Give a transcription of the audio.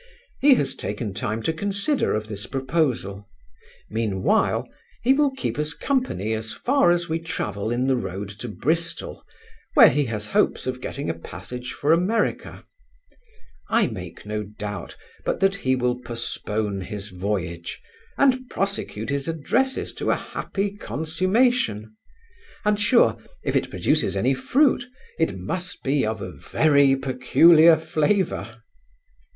He has taken time to consider of this proposal; mean while, he will keep us company as far as we travel in the road to Bristol, where he has hopes of getting a passage for America. I make no doubt but that he will postpone his voyage, and prosecute his addresses to a happy consummation; and sure, if it produces any fruit, it must be of a very peculiar flavour.